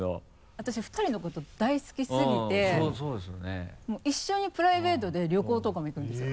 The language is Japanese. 私２人のこと大好きすぎてもう一緒にプライベートで旅行とかも行くんですよ。